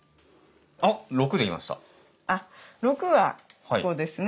あっ６はここですね。